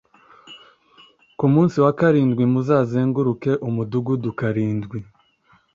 Ku munsi wa karindwi muzazenguruke umudugudu karindwi